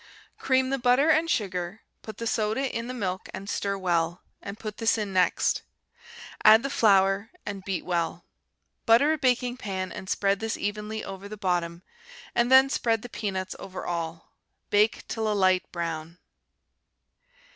Cream the butter and sugar, put the soda in the milk and stir well, and put this in next; add the flour and beat well. Butter a baking pan and spread this evenly over the bottom, and then spread the peanuts over all. Bake till a light brown.